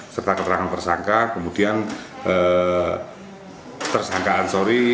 serta keterangan tersangka kemudian tersangka ansori